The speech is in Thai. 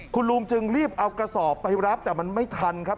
คุณลุงจึงรีบเอากระสอบไปรับแต่มันไม่ทันครับ